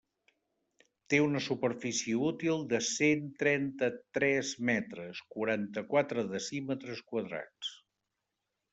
Té una superfície útil de cent trenta-tres metres, quaranta-quatre decímetres quadrats.